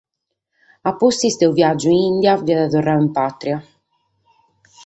A pustis de unu biàgiu in Ìndia fiat torradu in pàtria.